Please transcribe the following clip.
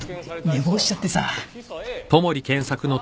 寝坊しちゃってさ。